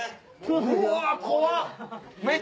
うわ怖っ！